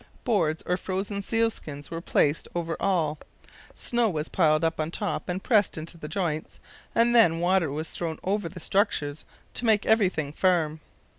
Boards or frozen sealskins were placed over all, snow was piled on top and pressed into the joints, and then water was thrown over the structures to make everything firm.